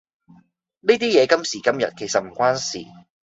呢啲嘢今時今日其實唔關事